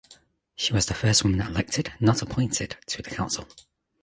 She was the first woman elected (not appointed) to the Council.